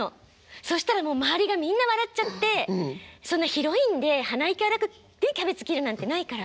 そしたらもう周りがみんな笑っちゃってそんなヒロインで鼻息荒くキャベツ切るなんてないから。